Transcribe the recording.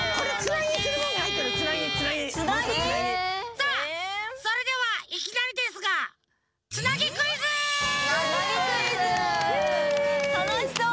さあそれではいきたいんですが「つなぎクイズ」たのしそう！